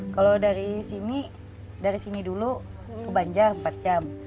kalau dari sini dari sini dulu ke banjar empat jam